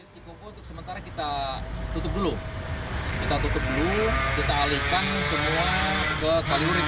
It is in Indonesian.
cikopo untuk sementara kita tutup dulu kita tutup dulu kita alihkan semua ke kalihuri